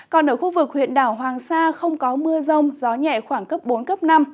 còn ở khu vực huyện đảo hoàng sa không có mưa rông gió nhẹ khoảng cấp bốn cấp năm